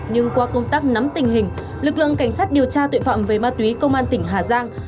nhưng qua công tác nắm tình hình lực lượng cảnh sát điều tra tội phạm về ma túy công an tỉnh hà giang